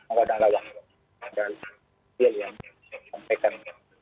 moga dalam waktu ada yang menyampaikan